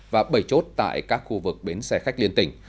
và bảy chốt tại các khu vực bến xe khách liên tỉnh